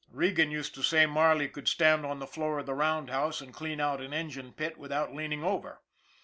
Regan used to say Marley could stand on the floor of the roundhouse and clean out an engine pit without leaning over.